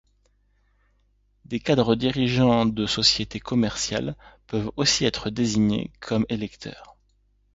Des cadres dirigeants de sociétés commerciales peuvent aussi être désignés comme électeurs.